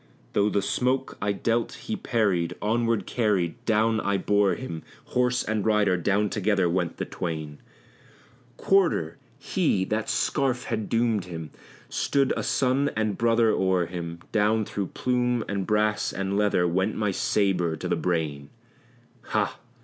Though the stroke I dealt he parried, onward carried, down I bore him Horse and rider down together went the twain: "Quarter!" He! that scarf had doomed him! stood a son and brother o'er him; Down through plume and brass and leather went my sabre to the brain Ha!